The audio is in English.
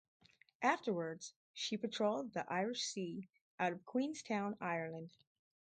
Afterwards, she patrolled the Irish Sea out of Queenstown, Ireland.